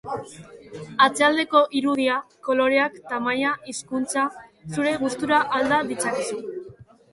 Atzealdeko irudia, koloreak, tamaina, hizkuntza... zure gustura alda ditzakezu.